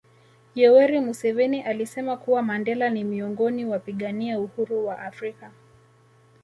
Yoweri Museveni alisema kuwa Mandela ni miongoni wapigania uhuru wa afrika